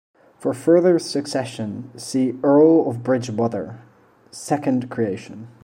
"For further succession, see Earl of Bridgewater, second creation"